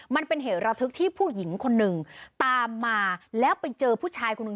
มันเป็นเหตุระทึกที่ผู้หญิงคนหนึ่งตามมาแล้วไปเจอผู้ชายคนหนึ่ง